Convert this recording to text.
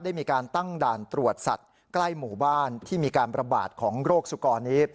ได้มีการตั้งด่านตรวจสัตว์ใกล้หมู่บ้านที่มีการประบาดของโรคสุกรนี้